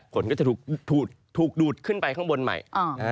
ฝนก็จะถูกดูดขึ้นไปข้างบนใหม่